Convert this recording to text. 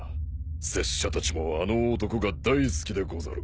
拙者たちもあの男が大好きでござる。